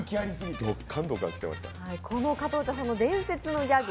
この加藤茶さんの伝説のギャグ